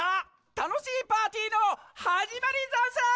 たのしいパーティーのはじまりざんす！